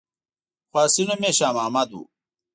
خو اصلي نوم یې شا محمد وو.